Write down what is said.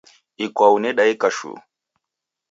Ikwau nedaika shuu.